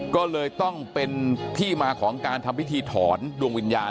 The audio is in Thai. ก็เลยต้องเป็นที่มาของการทำพิธีถอนดวงวิญญาณ